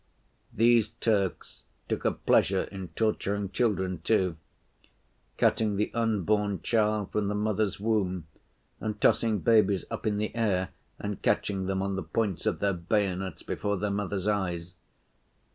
These Turks took a pleasure in torturing children, too; cutting the unborn child from the mother's womb, and tossing babies up in the air and catching them on the points of their bayonets before their mothers' eyes.